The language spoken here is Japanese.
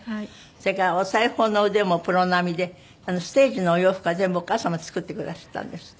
それからお裁縫の腕もプロ並みでステージのお洋服は全部お母様が作ってくだすったんですって？